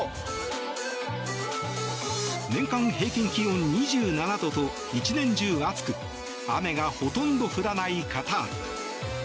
年間平均気温２７度と１年中暑く雨がほとんど降らないカタール。